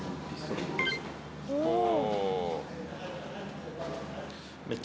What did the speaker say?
おお。